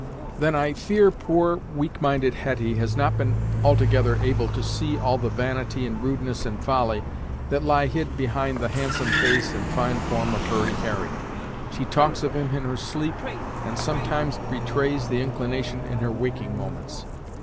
"Then, I fear, poor, weak minded Hetty has not been altogether able to see all the vanity, and rudeness and folly, that lie hid behind the handsome face and fine form of Hurry Harry. She talks of him in her sleep, and sometimes betrays the inclination in her waking moments."